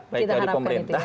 baik dari pemerintah